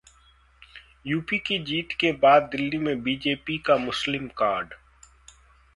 UP की जीत के बाद दिल्ली में बीजेपी का मुस्लिम कार्ड